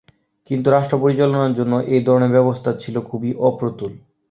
কিন্তু রাষ্ট্র পরিচালনার জন্য এ ধরনের ব্যবস্থা ছিল খুবই অপ্রতুল।